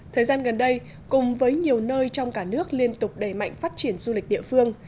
thời gian gần đây cùng với nhiều nơi trong cả nước liên tục đẩy mạnh phát triển du lịch địa phương